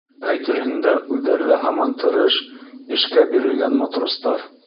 Әйтерһең дә, үҙҙәре лә һаман тырыш, эшкә бирелгән матростар.